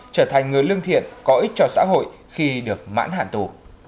trở thành người lương thiện có ích cho xã hội khi được mãn hạn tù